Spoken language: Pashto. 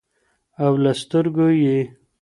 او له سترګو یې